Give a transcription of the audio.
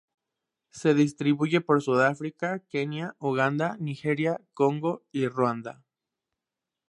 Se distribuye por Sudáfrica, Kenia, Uganda, Nigeria, Congo y Ruanda